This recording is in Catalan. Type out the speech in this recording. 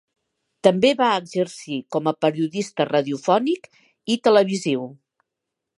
També va exercir com a periodista radiofònic i televisiu.